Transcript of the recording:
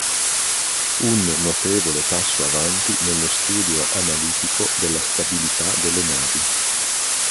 Un notevole passo avanti nello studio analitico della stabilità delle navi.